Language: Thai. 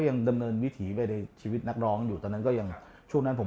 ยังดำเนินวิถีไปในชีวิตนักร้องอยู่ตอนนั้นก็ยังช่วงนั้นผม